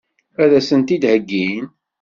Ad as-tent-id-heggin?